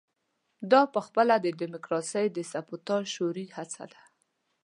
دا پخپله د ډیموکراسۍ د سبوتاژ شعوري هڅه ده.